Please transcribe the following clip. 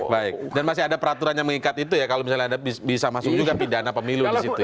baik dan masih ada peraturan yang mengikat itu ya kalau misalnya ada bisa masuk juga pidana pemilu di situ ya